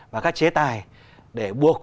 và các chế tài để buộc